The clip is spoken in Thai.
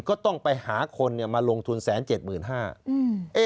ก็ต้องไปหาคนมาลงทุน๑๗๕๐๐บาท